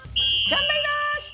頑張ります！